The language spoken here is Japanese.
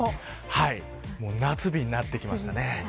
夏日になってきましたね。